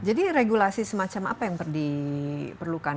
jadi regulasi semacam apa yang diperlukan